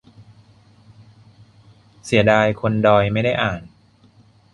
- เสียดายคนดอยไม่ได้อ่าน